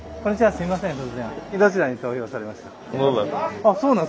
すみません